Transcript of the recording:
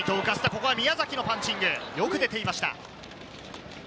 ここは宮崎のパンチング、よく出ていました。